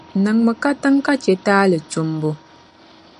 Niŋmi katiŋa ka chɛ taali tumbu.